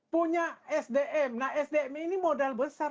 punya sdm nah sdm ini modal besar